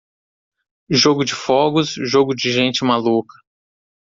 Jogo de fogos, jogo de gente maluca.